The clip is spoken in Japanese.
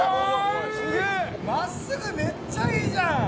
まっすぐめっちゃいいじゃん！